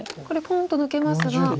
これポンと抜けますが。